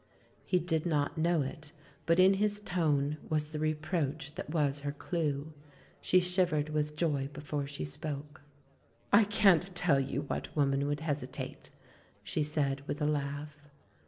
He did not know it, but in his tone was the reproach that was her clue. She shivered with joy before she spoke. *'I can't tell you what woman would hesitate," she said, with a laugh.